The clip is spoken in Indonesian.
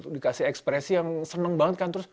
dikasih ekspresi yang seneng banget kan terus